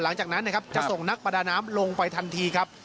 หลังจากนั้นนะครับจะส่งนักประดาน้ำลงไปทันทีครับ